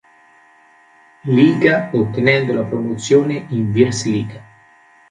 Līga, ottenendo la promozione in Virslīga.